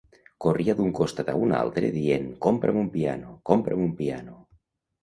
Corria d'un costat a un altre dient "Compra'm un piano, compra'm un piano!"